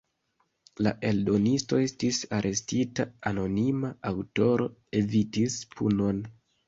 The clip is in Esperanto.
La eldonisto estis arestita, anonima aŭtoro evitis punon.